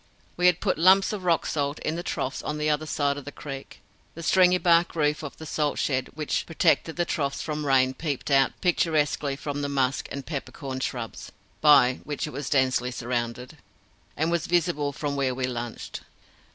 We had put the lumps of rock salt in the troughs on the other side of the creek. The stringybark roof of the salt shed which protected the troughs from rain peeped out picturesquely from the musk and peppercorn shrubs by which it was densely surrounded, and was visible from where we lunched.